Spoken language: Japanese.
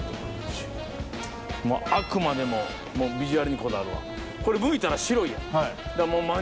あくまでもビジュアルにこだわるわ。